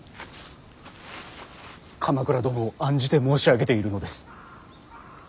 鎌倉殿を案じて申し上げているのです。